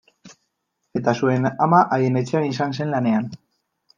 Eta zuen ama haien etxean izan zen lanean.